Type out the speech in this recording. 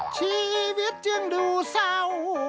ชีวิตจึงดูเศร้า